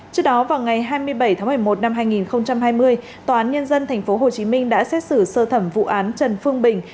trước đó vào ngày hai mươi bảy tháng một mươi một năm hai nghìn hai mươi tòa án nhân dân tp hcm đã xét xử sơ thẩm vụ án trần phương bình